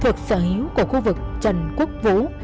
thuộc sở hữu của khu vực trần quốc vũ